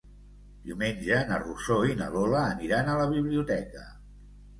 Diumenge na Rosó i na Lola aniran a la biblioteca.